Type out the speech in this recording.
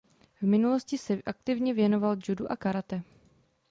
V minulosti se aktivně věnoval judu a karate.